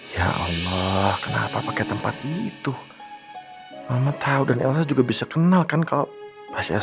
ya allah kenapa pakai tempat itu mama tahu dan juga bisa kenalkan kalau pasir